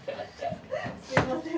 すいません。